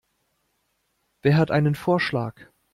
Wer hat einen Vorschlag?